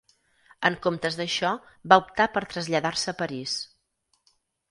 En comptes d'això va optar per traslladar-se a París.